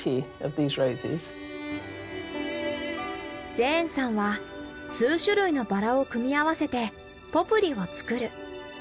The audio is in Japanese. ジェーンさんは数種類のバラを組み合わせてポプリを作る。